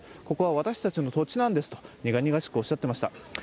ここは私たちの土地なんですと苦々しくおっしゃっていました。